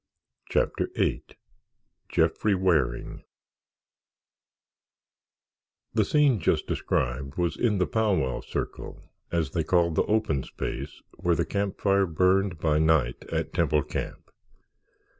CHAPTER VIII JEFFREY WARING The scene just described was in the Pow wow Circle, as they called the open space where the camp fire burned by night at Temple Camp.